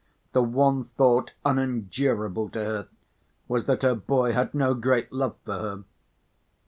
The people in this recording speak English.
The one thought unendurable to her was that her boy had no great love for her.